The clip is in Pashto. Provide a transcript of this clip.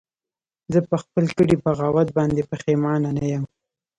زه په خپل کړي بغاوت باندې پښیمانه نه یم